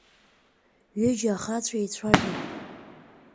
Ҩыџьа ахацәа еицәажәон…